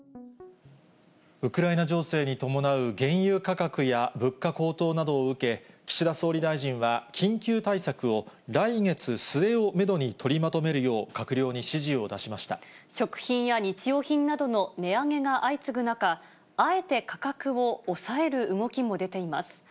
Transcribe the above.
ウクライナ情勢に伴う原油価格や物価高騰などを受け、岸田総理大臣は、緊急対策を来月末をメドに取りまとめるよう、閣僚に指示を出しま食品や日用品などの値上げが相次ぐ中、あえて価格を抑える動きも出ています。